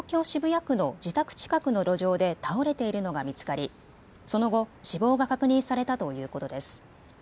渋谷区の自宅近くの路上で倒れているのが見つかりその後、死亡が確認されたということです。